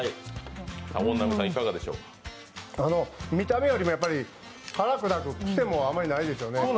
見た目よりもやっぱり辛くなく、癖もあまりないですよね